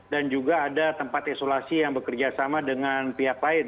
dan juga ada tempat isolasi yang bekerja sama dengan pihak lain